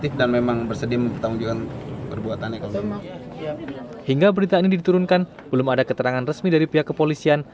hingga berita ini diturunkan belum ada keterangan resmi dari pihak kepolisian